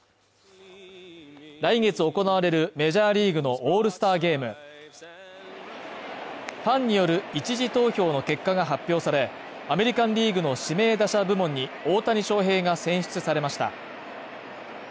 来月行われるメジャーリーグのオールスターゲームファンによる１次投票の結果が発表され、アメリカン・リーグの指名打者部門に大谷翔平が選出されました。